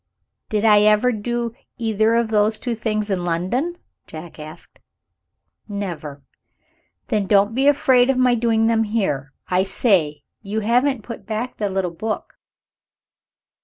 "Did I ever do either of those two things in London?" Jack asked. "Never." "Then don't be afraid of my doing them here. I say! you haven't put back the little book."